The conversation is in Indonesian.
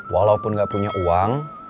walaupun gak punya uang